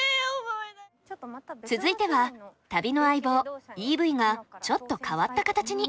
続いては旅の相棒ＥＶがちょっと変わった形に。